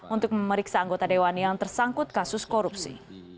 untuk memeriksa anggota dewan yang tersangkut kasus korupsi